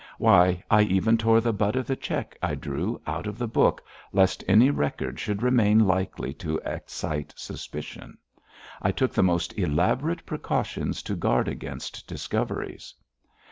Why, I even tore the butt of the cheque I drew out of the book, lest any record should remain likely to excite suspicion. I took the most elaborate precautions to guard against discoveries.'